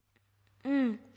うん。